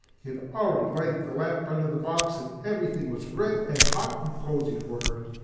He had already lighted the lamp under the box so that everything was red hot and cozy for her.